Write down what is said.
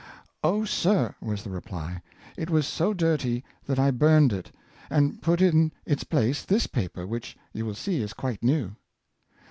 "'' Oh, sir," was the reply, ^' it was so dirty that I burned it, and put in its place this paper, which you will see is quite new."